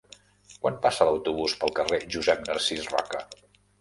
Quan passa l'autobús pel carrer Josep Narcís Roca?